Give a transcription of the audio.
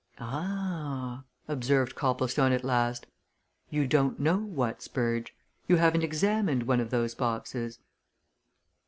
"Ah!" observed Copplestone at last. "You don't know what, Spurge? You haven't examined one of those boxes?"